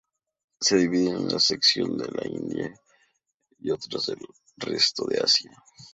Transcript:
Se divide en una sección de la India y otra del resto de Asia.